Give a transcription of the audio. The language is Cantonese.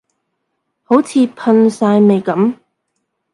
好似噴曬咪噉